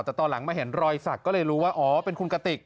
แต่ตอนหลังมาเห็นรอยสักก็เลยรู้ว่าอ๋อเป็นคุณกติก